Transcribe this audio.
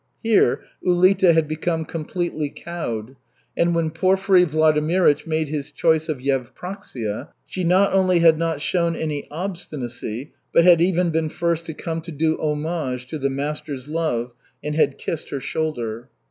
Here Ulita had become completely cowed, and when Porfiry Vladimirych made his choice of Yevpraksia, she not only had not shown any obstinacy, but had even been first to come to do homage to the master's love and had kissed her shoulder.